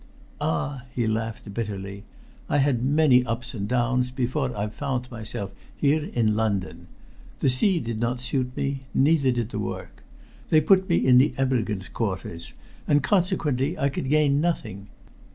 "Ah!" he laughed bitterly. "I had many ups and downs before I found myself here in London. The sea did not suit me neither did the work. They put me in the emigrants' quarters, and consequently I could gain nothing.